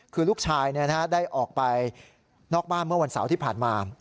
คือลูกชายได้ออกไปนอกบ้านเมื่อวันเสาร์ที่ผ่านมา